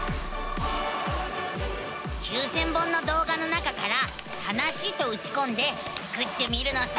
９，０００本の動画の中から「はなし」とうちこんでスクってみるのさ。